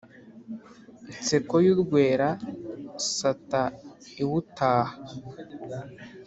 Nseko yurwera, sata iwutaha